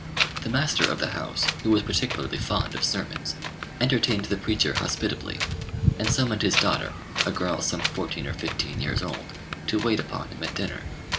The master of the house, who was particularly fond of sermons, entertained the preacher hospitably, and summoned his daughter, a girl some fourteen or fifteen years old, to wait upon him at dinner.